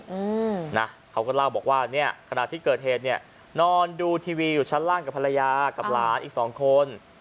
อืมนะเขาก็เล่าบอกว่าเนี่ยขณะที่เกิดเหตุเนี่ยนอนดูทีวีอยู่ชั้นล่างกับภรรยากับหลานอีกสองคน